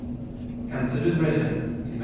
Hence it is written (Matt.